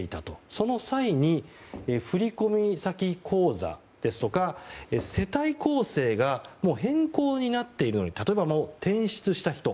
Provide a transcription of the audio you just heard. その際に振込先口座ですとか世帯構成が変更になっているのに例えば、もう転出した人。